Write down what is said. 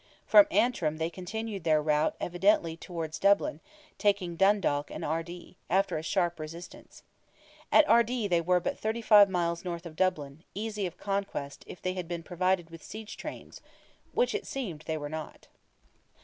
From Antrim they continued their route evidently towards Dublin, taking Dundalk and Ardee, after a sharp resistance. At Ardee they were but 35 miles north of Dublin, easy of conquest, if they had been provided with siege trains—which it seemed they were not.